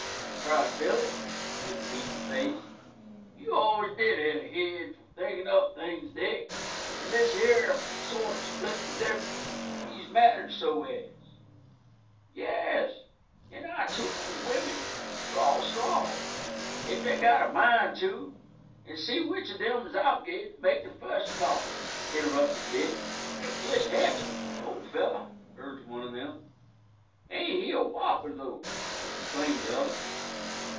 cried Billy, with beaming face. "You always did have a head for thinkin' up things, Dick, and this here'll sorter split the difference, and ease matters so as " "Yes, and our two old women can draw straws, if they've got a mind to, and see which of them is obligated to make the fust call," interrupted Dick. "Jist heft him, old feller," urged one of them. "Ain't he a whopper, though!" exclaimed the other.